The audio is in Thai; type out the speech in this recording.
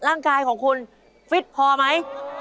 ร่างกายของคุณฟิตพอไหม